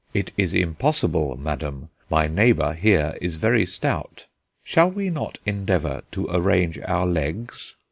"It is impossible, madam; my neighbour, here, is very stout" "Shall we not endeavour to arrange our legs?"